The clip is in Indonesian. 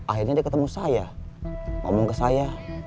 akhirnya dia ketemu saya ngomong ke saya